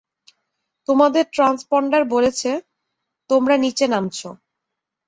তোমাদের ট্রান্সপন্ডার বলছে, তোমরা নিচে নামছো।